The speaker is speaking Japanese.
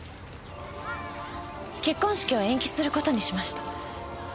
結婚式を延期する事にしました。